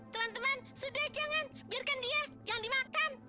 teman teman sudah jangan biarkan dia jangan dimakan